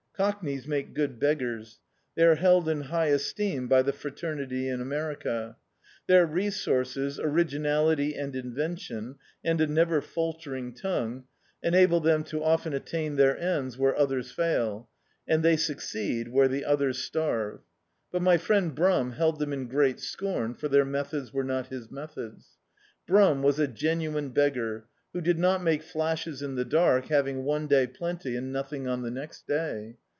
Cockneys make good beggars. They are held in high esteem by the fraternity in America. Their resources, originality and invention, and a never faltering tongue, enable D,i.,.db, Google The Autobiography of a Super Tramp them to often attain their ends where others fail, and they succeed where the natives starve. But my friend Brum held them in great scorn, for their methods were not his methods. Brum was a genu ine beggar, who did not make flashes in the dark, having one day plenty and nothing on the next day.